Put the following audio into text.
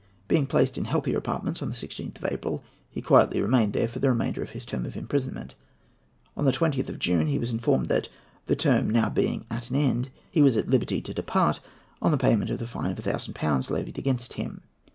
Being placed in healthier apartments on the 16th of April, he quietly remained there for the remainder of his term of imprisonment. On the 20th of June he was informed that, the term being now at an end, he was at liberty to depart on payment of the fine of 1000£ levied against him.